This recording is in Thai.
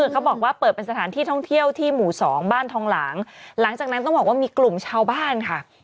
เขาบอกว่าเปิดเป็นสถานที่ท่องเที่ยวที่หมู่สองบ้านทองหลางหลังจากนั้นต้องบอกว่ามีกลุ่มชาวบ้านค่ะ